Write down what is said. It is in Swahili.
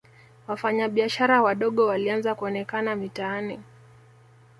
wafanya biashara wadogo walianza kuonekana mitaani